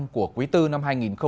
của quý bốn năm hai nghìn hai mươi ba